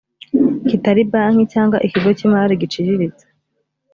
kitari banki cyangwa ikigo cy imari giciriritse